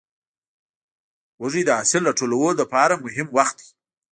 وږی د حاصل راټولو لپاره مهم وخت دی.